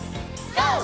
ＧＯ！